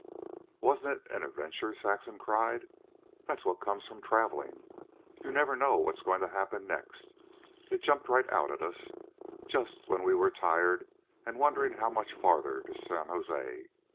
"Wasn't it an adventure!" Saxon cried. "That's what comes of traveling. You never know what's going to happen next. It jumped right out at us, just when we were tired and wondering how much farther to San Jose.